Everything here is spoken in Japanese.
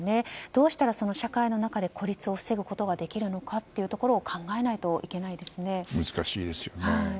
どうしたら社会の中で孤立を防ぐことができるのかっていうところを考えないと難しいですよね。